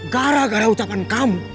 gara gara ucapan kamu